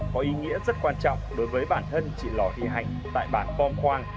có ý nghĩa rất quan trọng đối với bản thân chị lò thi hạnh tại bảng phong khoang